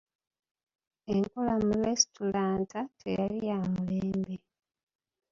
Enkola mu lesitulanta teyali yamulembe.